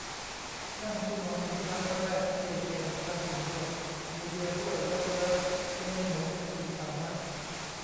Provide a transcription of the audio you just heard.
นั่งตู้นอนเป็นครั้งแรก เย่ เย่ มีข้าวกินด้วย มีเบียร์ด้วย เลิฟเลิฟ จะมีหมูฉึกฉึกป่าวนะ